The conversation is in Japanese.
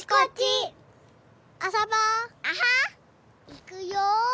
いくよ。